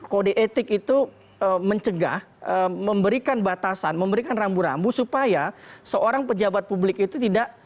kode etik itu mencegah memberikan batasan memberikan rambu rambu supaya seorang pejabat publik itu tidak